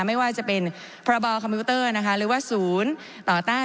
ไม่ว่าจะเป็นพรบคอมพิวเตอร์นะคะหรือว่าศูนย์ต่อต้าน